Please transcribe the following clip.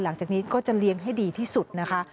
หลังจากนี้ก็จะเลี้ยงให้ดีที่สุดนะคะ